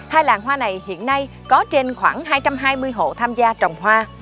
hai làng hoa này hiện nay có trên khoảng hai trăm hai mươi hộ tham gia trồng hoa